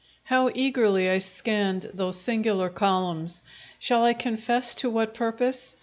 How eagerly I scanned those singular columns! Shall I confess to what purpose?